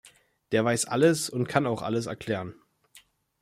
Der weiß alles und kann auch alles erklären.